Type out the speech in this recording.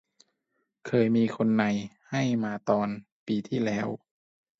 เคยมีคนใน ให้มาตอน ปีที่แล้ว